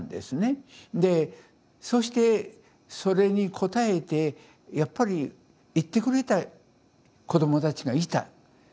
でそしてそれに応えてやっぱり行ってくれた子どもたちがいた。